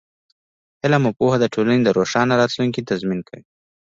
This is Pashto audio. علم او پوهه د ټولنې د روښانه راتلونکي تضمین کوي.